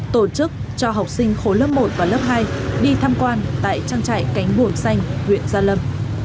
tổ chức cho học sinh khối lớp một và lớp hai đi tham quan tại trang trại cánh buồm xanh huyện gia lâm